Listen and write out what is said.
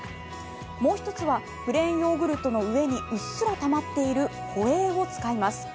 もう一つは、プレーンヨーグルトの上にうっすらたまっているホエーを使います。